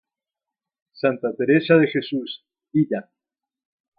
Santa Teresa de Jesús: "Vida".